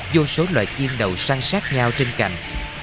vô số loài chim đầu sang sát nhau trên cành